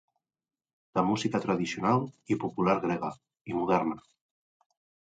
De música tradicional i popular grega, i moderna.